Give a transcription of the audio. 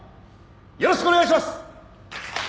よろしくお願いします。